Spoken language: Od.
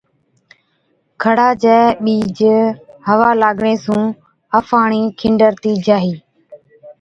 کڙا چَي ٻِيج هوا لاگڻي سُون آڦاڻهِين کِنڊرتِي جاهِي۔